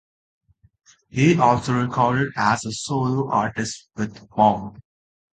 He also recorded as a solo artist with Bomp!